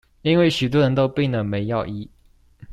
因為許多人都病了沒藥醫